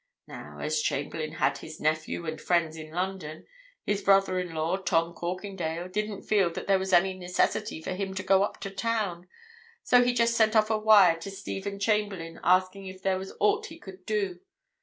Now, as Chamberlayne had his nephew and friends in London, his brother in law, Tom Corkindale, didn't feel that there was any necessity for him to go up to town, so he just sent off a wire to Stephen Chamberlayne asking if there was aught he could do.